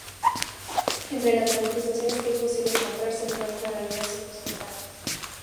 Entre las manifestaciones que es posible encontrar se encuentran algunos signos cutáneos.